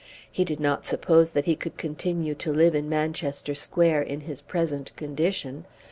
He did not suppose that he could continue to live in Manchester Square in his present condition.